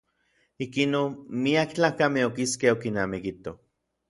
Ikinon miak tlakamej okiskej okinamikitoj.